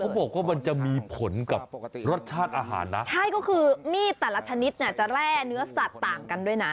บอกว่ามันจะมีผลกับรสชาติอาหารนะใช่ก็คือมีดแต่ละชนิดเนี่ยจะแร่เนื้อสัตว์ต่างกันด้วยนะ